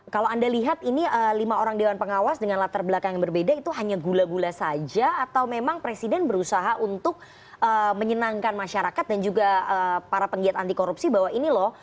kalau anda lihat ini lima orang dewan pengawas dengan latar belakang yang berbeda itu hanya gula gula saja atau memang presiden berusaha untuk menyenangkan masyarakat dan juga para penggiat anti korupsi bahwa ini loh